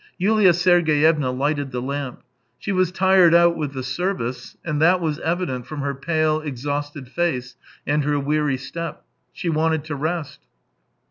Yulia Sergeyevna lighted the lamp. She was tired out with the service, and that was evident from her pale, exhausted face, and her weary step. She wanted to rest.